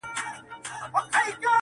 هغه تر اوسه د دوو سترگو په تعبير ورک دی~